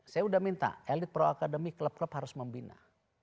saya sudah minta elit pro academy klub klub harus membina